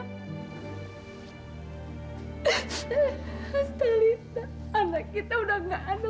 mas talita anak kita udah gak ada